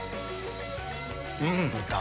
うん！